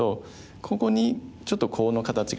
ここにちょっとコウの形ができて。